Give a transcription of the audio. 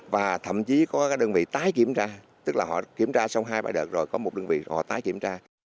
và thậm chí có đơn vị tái kiểm tra tức là họ kiểm tra xong hai bài đợt rồi có một đơn vị họ tái kiểm tra